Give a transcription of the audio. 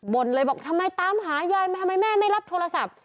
่นเลยบอกทำไมตามหายายมาทำไมแม่ไม่รับโทรศัพท์